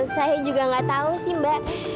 saya juga gak tau sih mbak